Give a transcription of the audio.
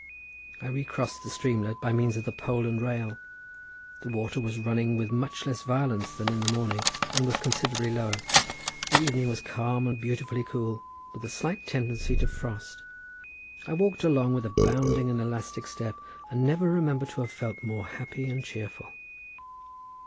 I recrossed the streamlet by means of the pole and rail. The water was running with much less violence than in the morning, and was considerably lower. The evening was calm and beautifully cool, with a slight tendency to frost. I walked along with a bounding and elastic step, and never remember to have felt more happy and cheerful.